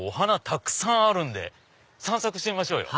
たくさんあるんで散策してみましょうよ。